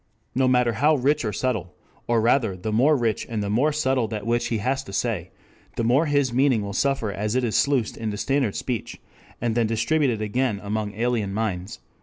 No matter how rich or subtle or rather the more rich and the more subtle that which he has to say, the more his meaning will suffer as it is sluiced into standard speech and then distributed again among alien minds.